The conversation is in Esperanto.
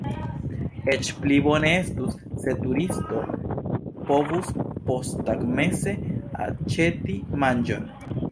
Eĉ pli bone estus, se turisto povus posttagmeze aĉeti manĝon.